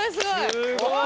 すごい。